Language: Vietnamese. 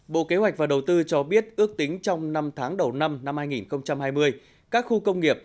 bộ kế hoạch và đầu tư cho biết ước tính trong năm tháng đầu năm hai nghìn hai mươi các khu công nghiệp